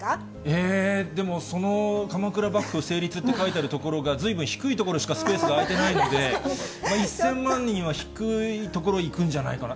えー、でもその鎌倉幕府成立って書いてある所がずいぶん低い所しかスペースが空いてないので、１０００万人は低い所いくんじゃないかな。